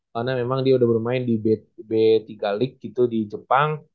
karena memang dia udah bermain di b tiga league gitu di jepang